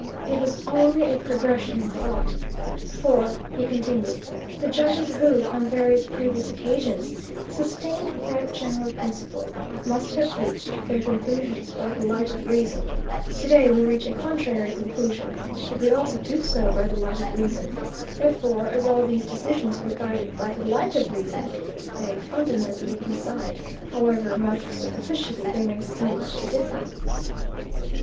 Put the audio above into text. It was only a progression in thought. For, he continued, the judges who, on various previous occasions, sustained that general principle, must have reached their conclusions by the light of reason; to day we reach a contrary conclusion, but we also do so by the light of reason; therefore, as all these decisions are guided by the light of reason they fundamentally coincide, however much superficially they may seem to differ.